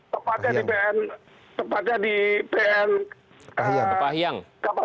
tepatnya di pn kapahyang